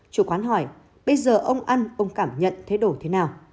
chủ quán hỏi bây giờ ông ăn ông cảm nhận thấy đổi thế nào